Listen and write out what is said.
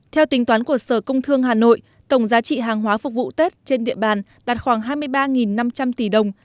theo tính toán của sở công thương hà nội tổng giá trị hàng hóa phục vụ tết trên địa bàn đạt khoảng hai mươi ba năm trăm linh tỷ đồng